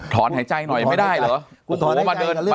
ถอนหายใจหน่อยไม่ได้เหรอคุณถ่อนหายใจกับเรื่องนี้ถือหรือวะ